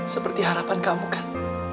seperti harapan kamu kan